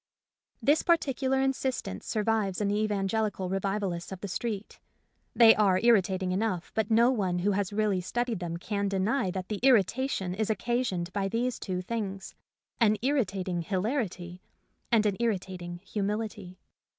This particular instance survives in the evangelical revivalists of the street. They are irritating enough, but no one who has really studied them can deny that the irrita tion is occasioned by these two things, an irritating hilarity and an irritating humility.